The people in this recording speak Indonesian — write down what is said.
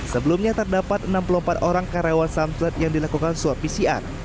sebelumnya terdapat enam puluh empat orang karyawan samsult yang dilakukan swab pcr